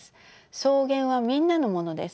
草原はみんなのものです。